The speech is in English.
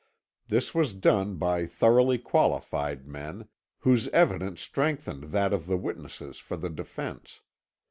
This was done by thoroughly qualified men, whose evidence strengthened that of the witnesses for the defence.